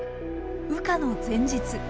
羽化の前日。